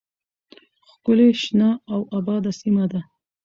ښکلې شنه او آباده سیمه ده